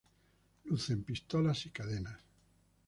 Lucen pistolas y cadenas.